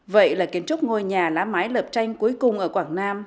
vậy là kiến trúc ngôi nhà lá mái lập tranh cuối cùng ở quảng nam